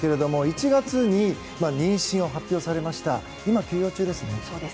１月に妊娠を発表されまして今、休養中ですね。